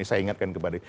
ini saya ingatkan kepada